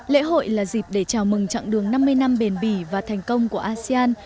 lễ hội là dịp để chào mừng trạng đường năm mươi năm bền bỉ và thành công của asean